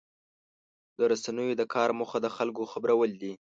د رسنیو د کار موخه د خلکو خبرول دي.